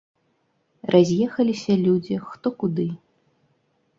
Раз'ехаліся людзі, хто куды.